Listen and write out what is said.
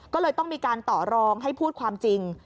ก็เลยต้องมีการต่อรองให้พูดความจริง